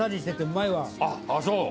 あっそう？